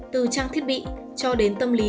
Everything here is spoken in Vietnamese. từ trang thiết bị cho đến tâm lý